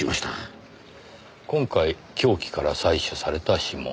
今回凶器から採取された指紋。